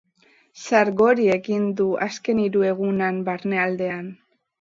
Sargori egin du azken hiru egunan barnealdean.